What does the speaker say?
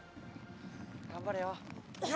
頑張れよ。